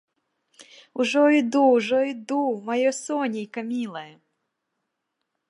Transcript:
Ужо іду, ужо іду, маё сонейка мілае!